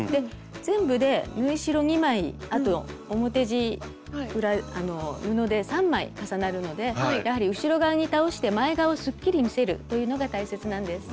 全部で縫い代２枚あと表地あの布で３枚重なるのでやはり後ろ側に倒して前側をすっきり見せるというのが大切なんです。